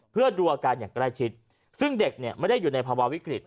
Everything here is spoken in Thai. เพื่อดูอาการอย่างใกล้ชิดซึ่งเด็กเนี่ยไม่ได้อยู่ในภาวะวิกฤต